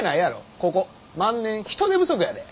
ここ万年人手不足やで。